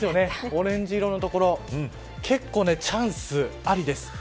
オレンジ色の所結構、チャンスありです。